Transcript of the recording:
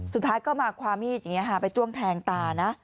สุดท้ายก็มาความมีดไปจแทงตานะ